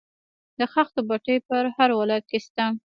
د خښتو بټۍ په هر ولایت کې شته